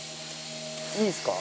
いいですか？